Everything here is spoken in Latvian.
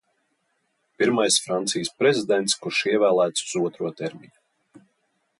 Pirmais Francijas prezidents, kurš ievēlēts uz otro termiņu.